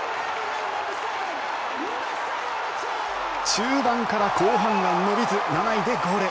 中盤から後半が伸びず７位でゴール。